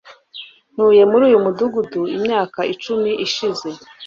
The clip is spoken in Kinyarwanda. ntuye muri uyu mudugudu imyaka icumi ishize